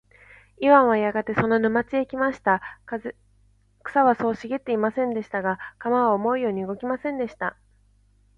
イワンはやがてその沼地へ来ました。草はそう茂ってはいませんでした。が、鎌は思うように動きませんでした。